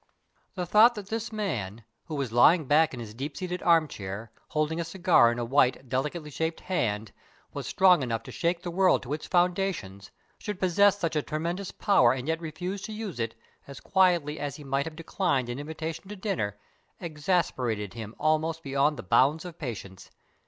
The thought that this man who was lying back in his deep seated armchair, holding a cigar in a white, delicately shaped hand which was strong enough to shake the world to its foundations, should possess such a tremendous power and yet refuse to use it, as quietly as he might have declined an invitation to dinner, exasperated him almost beyond the bounds of patience.